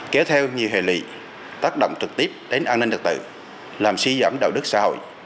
kéo theo nhiều hệ lụy tác động trực tiếp đến an ninh đặc tự làm suy giảm đạo đức xã hội